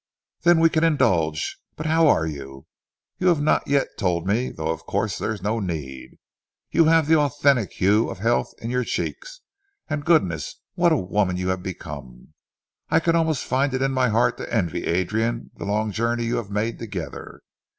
"Then we can indulge. But how are you? You have not yet told me, though of course there is no need. You have the authentic hue of health in your cheeks, and goodness! what a woman you have become! I could almost find it in my heart to envy Adrian the long journey you have made together!"